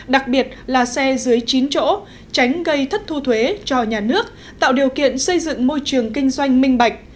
đặc biệt là xe dưới chín chỗ tránh gây thất thu thuế cho nhà nước tạo điều kiện xây dựng môi trường kinh doanh minh bạch